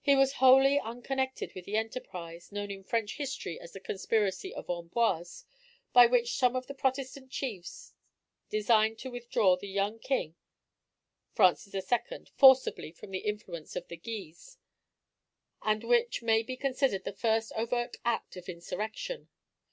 He was wholly unconnected with the enterprise (known in French history as the conspiracy of Amboise) by which some of the Protestant chiefs designed to withdraw the young king, Francis II., forcibly from the influence of the Guises, and which may be considered the first overt act of insurrection.